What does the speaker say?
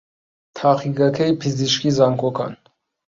تاقیگەکەی پزیشکیی زانکۆکان